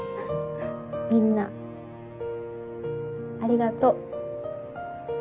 みんなありがとう。